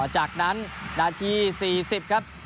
จากนั้นนาที๔๐ครับ